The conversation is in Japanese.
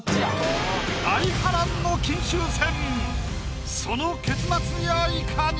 大波乱の金秋戦。